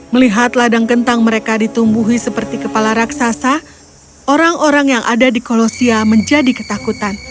melihat ladang kentang mereka ditumbuhi seperti kepala raksasa orang orang yang ada di kolosia menjadi ketakutan